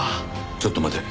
ちょっと待て。